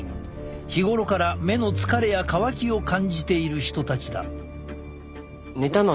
日頃から目の疲れや乾きを感じている人たちだ。